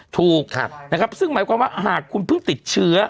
ถูกนะครับซึ่งหมายความว่าหากคุณเพิ่งติดเชื้อ